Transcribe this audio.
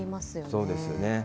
そうですよね。